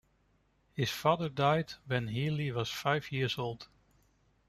His father died when Healy was five years old.